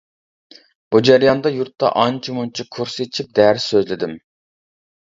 بۇ جەرياندا يۇرتتا ئانچە-مۇنچە كۇرس ئېچىپ، دەرس سۆزلىدىم.